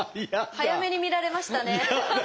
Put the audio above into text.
早めに見られましたね。